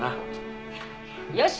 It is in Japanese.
よし。